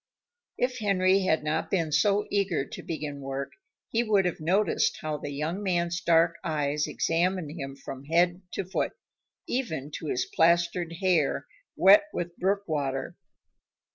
If Henry had not been so eager to begin work, he would have noticed how the young man's dark eyes examined him from head to foot, even to his plastered hair, wet with brook water.